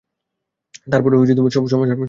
তারপরও সমস্যার সমাধান হয়নি।